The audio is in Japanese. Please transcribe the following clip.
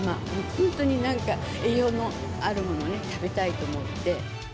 本当になんか栄養のあるものね、食べたいと思って。